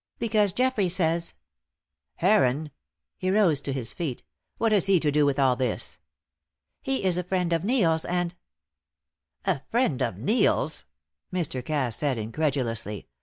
"Because Geoffrey says " "Heron!" He rose to his feet. "What has he to do with all this?" "He is a friend of Neil's, and " "A friend of Neil's?" Mr. Cass said, incredulously.